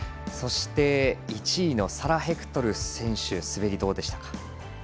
そして、１位のサラ・ヘクトル選手の滑りはどうでしたか。